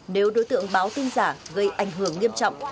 nếu đối tượng báo tin giả gây ảnh hưởng nghiêm trọng